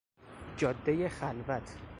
جادهی خلوت